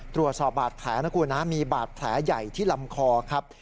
ตรวจสอบบาดแผลนะคุณนะมีบาดแผลใหญ่ที่ลำคอครับ